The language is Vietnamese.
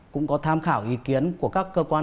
cũng có tham khảo ý kiến của các cơ quan